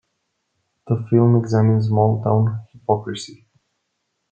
The film examines small town hypocrisy.